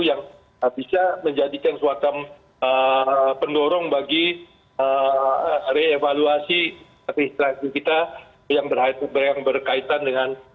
yang bisa menjadikan suatu pendorong bagi reevaluasi strategi kita yang berkaitan dengan